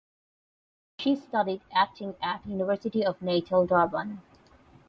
She studied acting at University of Natal (Durban).